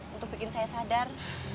untuk bikin saya sadar